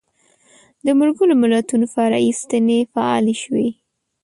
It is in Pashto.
د ملګرو ملتونو فرعي ستنې فعالې شوې.